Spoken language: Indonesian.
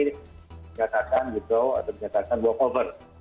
dinyatakan withdraw atau dinyatakan walk over